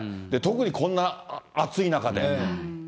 特にこんな暑い中で。